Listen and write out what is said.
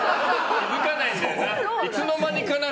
気づかないんだよな。